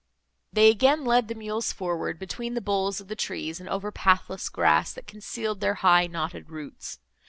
They again led the mules forward, between the boles of the trees, and over pathless grass, that concealed their high knotted roots.